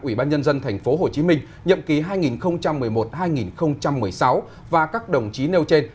ủy ban nhân dân thành phố hồ chí minh nhậm ký hai nghìn một mươi một hai nghìn một mươi sáu và các đồng chí nêu trên